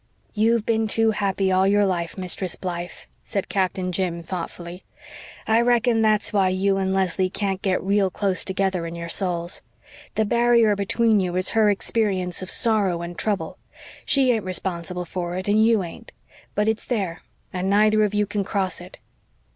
"You've been too happy all your life, Mistress Blythe," said Captain Jim thoughtfully. "I reckon that's why you and Leslie can't get real close together in your souls. The barrier between you is her experience of sorrow and trouble. She ain't responsible for it and you ain't; but it's there and neither of you can cross it."